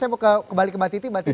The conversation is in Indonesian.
saya mau kembali ke mbak titi